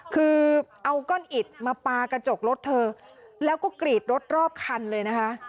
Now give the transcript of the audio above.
คือเอาก้อนอิดมาปลากระจกรถเธอแล้วก็กรีดรถรอบคันเลยนะคะ